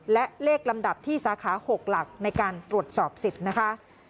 และเลขลำดับที่สาขา๖หลักในการตรวจสอบสิทธิ์นะคะ